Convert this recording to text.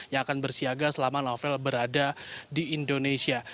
yang akan bersiaga selama novel berada di indonesia